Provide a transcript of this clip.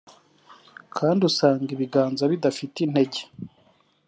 kandi usanga ibiganza bidafite intege